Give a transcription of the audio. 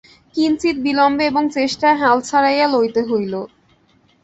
কিঞ্চিৎ বিলম্বে এবং চেষ্টায় হাল ছাড়াইয়া লইতে হইল।